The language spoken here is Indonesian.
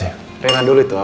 minum dulu taman